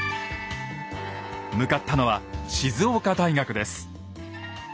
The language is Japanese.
向かったのは静岡大学です。